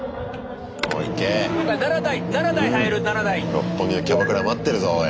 六本木のキャバクラ待ってるぞおい。